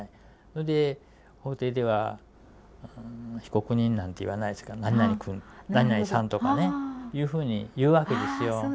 それで法廷では「被告人」なんて言わないですからなになに君なになにさんとかねいうふうにいうわけですよ。